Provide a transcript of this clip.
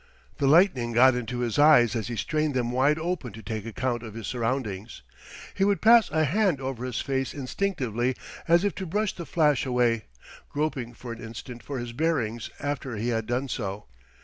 The lightning got into his eyes as he strained them wide open to take account of his surroundings. He would pass a hand over his face instinctively, as if to brush the flash away, groping for an instant for his bearings after he had done so.